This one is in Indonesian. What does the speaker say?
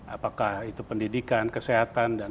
apakah itu pendidikan kesehatan dan